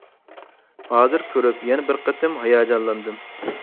ھازىر كۆرۈپ يەنە بىر قېتىم ھاياجانلاندىم.